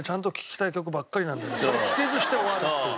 聴けずして終わるっていう。